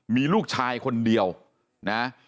มีลูกชายคนเดียวนะ